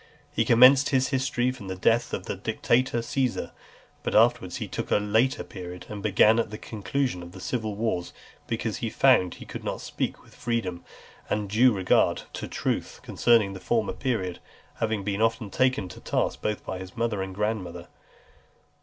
He commenced his history from the death of the dictator Caesar; but afterwards he took a later period, and began at the conclusion of the civil wars; because he found he could not speak with freedom, and a due regard to truth, concerning the former period, having been often taken to task both by his mother and grandmother.